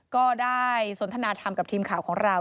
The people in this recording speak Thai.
ก็ได้สนทนาธรรมกับทีมข่าวของเรา